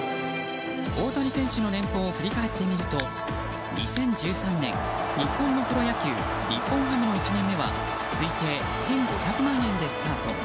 大谷選手の年俸を振り返ってみると、２０１３年日本のプロ野球日本ハムの１年目は推定１５００万円でスタート。